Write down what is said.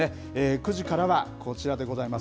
９時からはこちらでございます。